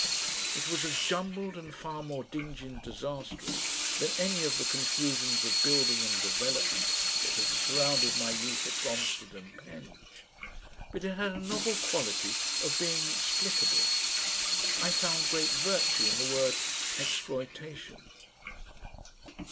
It was as jumbled and far more dingy and disastrous than any of the confusions of building and development that had surrounded my youth at Bromstead and Penge, but it had a novel quality of being explicable. I found great virtue in the word "exploitation."